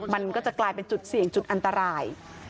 มันก็จะกลายเป็นจุดเสี่ยงจุดอันตราย